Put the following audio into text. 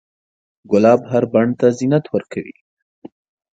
ګلاب هر بڼ ته زینت ورکوي.